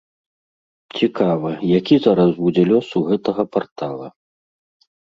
Цікава, які зараз будзе лёс у гэтага партала.